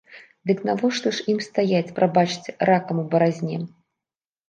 Дык навошта ж ім стаяць, прабачце, ракам у баразне?